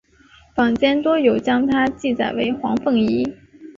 坊间多有将她记载为黄凤仪。